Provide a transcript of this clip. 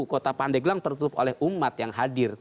kota pandeglang tertutup oleh umat yang hadir